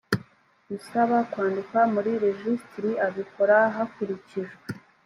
usaba kwandikwa muri rejisitiri abikora hakurikijwe